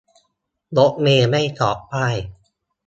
รถเมล์ไม่จอดป้าย